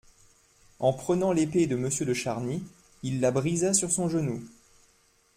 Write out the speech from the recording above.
Et prenant l'épée de Monsieur de Charny, il la brisa sur son genou.